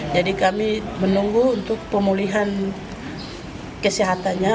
jadi kami menunggu untuk pemulihan kesehatannya